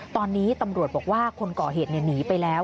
ตอนนี้ตำรวจบอกว่าคนก่อเหตุหนีไปแล้ว